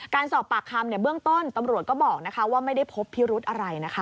การสอบปากคำเบื้องต้นตำรวจก็บอกว่าไม่ได้พบพิรุธอะไรนะคะ